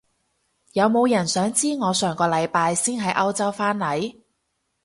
有冇人想知我上個禮拜先喺歐洲返嚟？